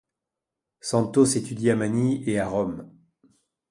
Santos étudie à Manille et à Rome.